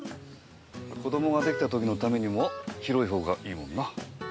子供ができた時のためにも広いほうがいいもんな。